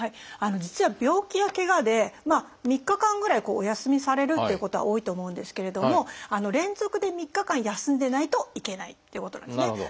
実は病気やけがで３日間ぐらいお休みされるっていうことは多いと思うんですけれども連続で３日間休んでないといけないっていうことなんですね。